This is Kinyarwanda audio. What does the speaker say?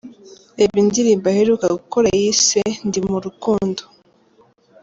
Reba indirimbo aheruka gukora yise 'Ndi mu rukundo'.